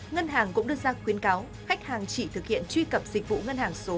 ngân hàng cũng đưa ra khuyến cáo khách hàng chỉ thực hiện truy cập dịch vụ ngân hàng số